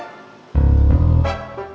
enggak tahu enggak tahu